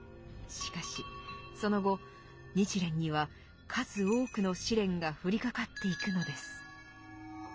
しかしその後日蓮には数多くの試練が降りかかっていくのです。